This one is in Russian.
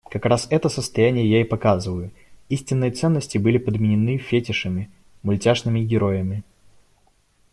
Как раз это состояние я и показываю, истинные ценности были подменены фетишами, мультяшными героями.